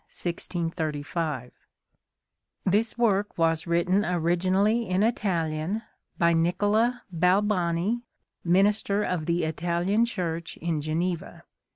XV This work was written originally in Italian, " by Nicola Balbani, minister of the Italian Church in Geneva.